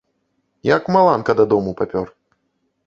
Як маланка, да дому папёр.